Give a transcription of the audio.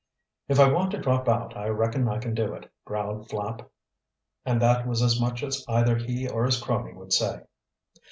"If I want to drop out I reckon I can do it," growled Flapp, and that was as much as either he or his crony would say.